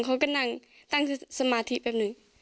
เขาก็นั่งตั้งสมาธิแป๊บนึง